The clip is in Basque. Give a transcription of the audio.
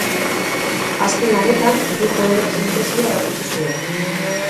Azken lanetan bi joeren sintesia erakutsi zuen.